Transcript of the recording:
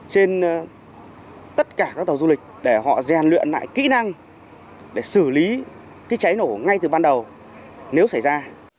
trên tất cả các tàu du lịch để họ rèn luyện lại kỹ năng để xử lý cháy nổ ngay từ ban đầu nếu xảy ra